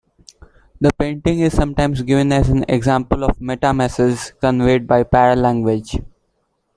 The painting is sometimes given as an example of meta message conveyed by paralanguage.